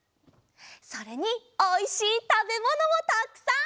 それにおいしいたべものもたくさん！